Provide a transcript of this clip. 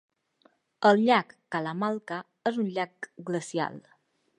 El llac Kalamalka és un llac glacial.